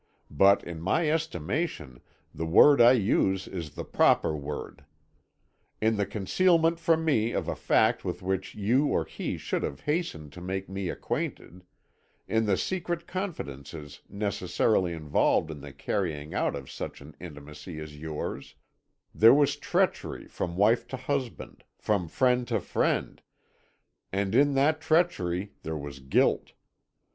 But in my estimation the word I use is the proper word. In the concealment from me of a fact with which you or he should have hastened to make me acquainted; in the secret confidences necessarily involved in the carrying out of such an intimacy as yours; there was treachery from wife to husband, from friend to friend, and in that treachery there was guilt.